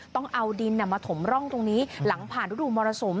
ต้องเอาดินมาถมร่องตรงนี้หลังผ่านฤดูมรสุม